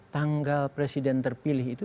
tanggal presiden terpilih itu